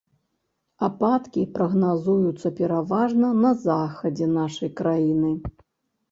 Ападкі прагназуюцца пераважна на захадзе нашай краіны.